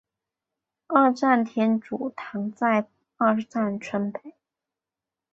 二站天主堂在二站村北。